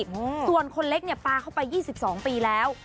ส่วนคนเล็กเนี่ยปลาเข้าไป๒๒ปีแล้ว